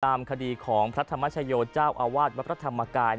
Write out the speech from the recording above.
ตามคดีของพระธรรมชโยชน์เจ้าอาวาสวัฒนธรรมกาย